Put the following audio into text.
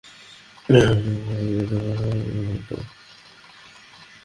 কিন্তু বিয়ের পরও কয়েক বছর বিভিন্ন জায়গায় লুকিয়ে জীবন যাপন করতে হয়েছে নবদম্পতিকে।